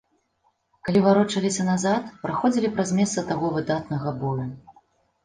Калі варочаліся назад, праходзілі праз месца таго выдатнага бою.